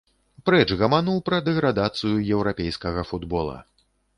Прэч гаману пра дэградацыю еўрапейскага футбола.